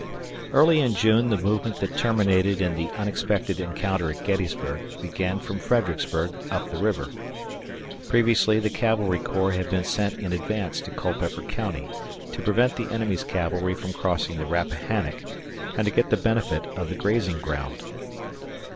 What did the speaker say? Early in June the movement that terminated in the unexpected encounter at Gettysburg began from Fredericksburg up the river. Previously the cavalry corps had been sent in advance to Culpeper County to prevent the enemy's cavalry from crossing the Rappahannock and to get the benefit of the grazing ground.